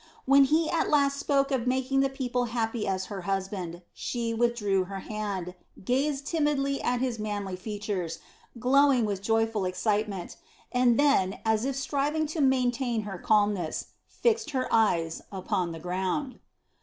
When he at last spoke of making the people happy as her husband, she withdrew her hand, gazed timidly at his manly features, glowing with joyful excitement, and then as if striving to maintain her calmness, fixed her eyes upon the ground.